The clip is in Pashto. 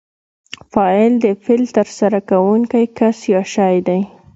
فاعل د فعل ترسره کوونکی کس یا شی دئ.